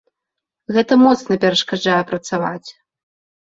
Гэта моцна перашкаджае працаваць!